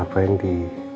apa yang di